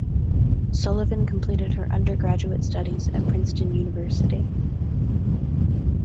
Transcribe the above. Sullivan completed her undergraduate studies at Princeton University.